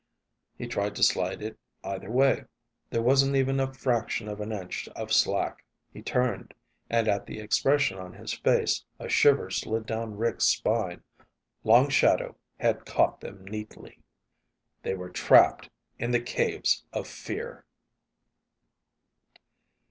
He tried to slide it either way. There wasn't even a fraction of an inch of slack. He turned, and at the expression on his face a shiver slid down Rick's spine. Long Shadow had caught them neatly. They were trapped in the Caves of Fear!